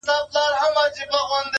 • هغه وایي روژه به نور زما په اذان نسې,